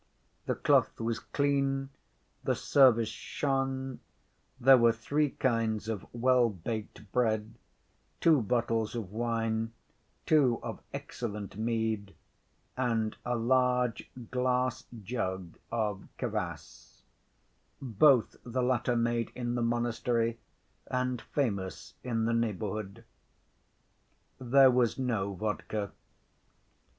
The cloth was clean, the service shone; there were three kinds of well‐baked bread, two bottles of wine, two of excellent mead, and a large glass jug of kvas—both the latter made in the monastery, and famous in the neighborhood. There was no vodka.